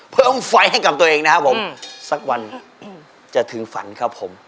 ไฟล์ให้กับตัวเองนะครับผมสักวันจะถึงฝันครับผม